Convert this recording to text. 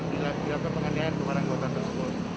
dilakukan pengenyaian kemarang kota tersebut